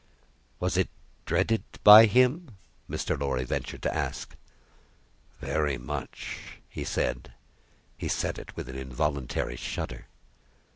"Was it dreaded by him?" Mr. Lorry ventured to ask. "Very much." He said it with an involuntary shudder.